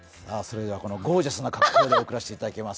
ゴージャスな格好で送らせていただきます。